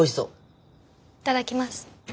いただきます。